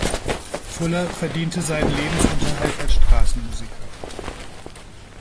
Fuller verdiente seinen Lebensunterhalt als Straßenmusiker.